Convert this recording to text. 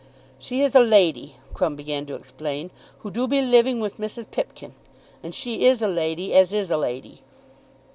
"She is a lady," Crumb began to explain, "who do be living with Mrs. Pipkin; and she is a lady as is a lady."